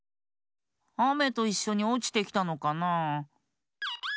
あめといっしょにおちてきたのかな？